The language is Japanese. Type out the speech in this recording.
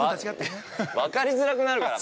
分かりづらくなるから。